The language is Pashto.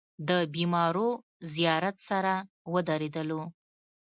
د بېمارو زيارت سره ودرېدلو.